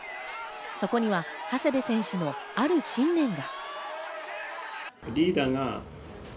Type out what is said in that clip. そこには長谷部選手のある信念が。